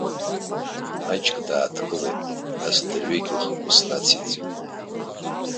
Маҷк дааҭгылеит, нас дырҩегьых ус нациҵеит.